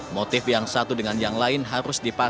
motif yang satu dengan yang lain harus diperlukan